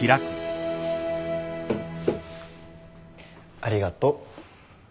ありがとう。